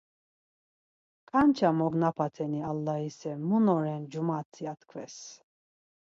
kança momgnapateni allaise mun’oren cumat? ya tkves.